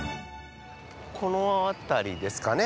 この辺りですかね。